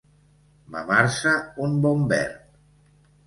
Mamar-se un bon verd.